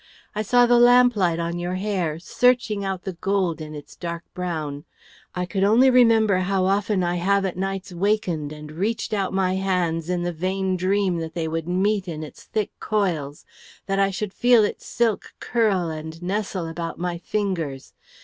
I saw the lamplight on your hair, searching out the gold in its dark brown. I could only remember how often I have at nights wakened and reached out my hands in the vain dream that they would meet in its thick coils, that I should feel its silk curl and nestle about my fingers.